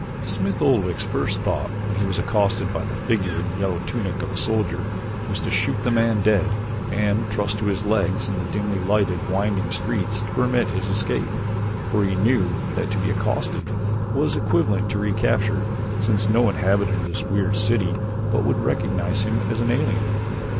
Smith Oldwick's first thought when he was accosted by the figure in the yellow tunic of a soldier was to shoot the man dead and trust to his legs and the dimly lighted, winding streets to permit his escape, for he knew that to be accosted was equivalent to recapture since no inhabitant of this weird city but would recognize him as an alien.